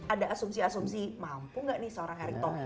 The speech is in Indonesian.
ada asumsi asumsi mampu nggak nih seorang heri tokir ketika ke modal